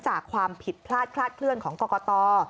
จากความผิดพลาดคลาดเคลื่อนของกรกต